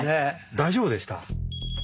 大丈夫でした？